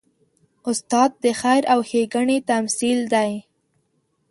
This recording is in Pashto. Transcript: استاد د خیر او ښېګڼې تمثیل دی.